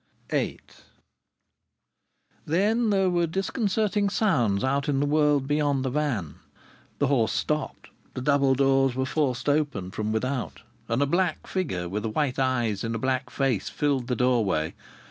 VIII Then there were disconcerting sounds out in the world beyond the van. The horse stopped. The double doors were forced open from without, and a black figure, with white eyes in a black face, filled the doorway.